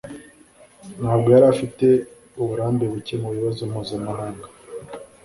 Ntabwo yari afite uburambe buke mubibazo mpuzamahanga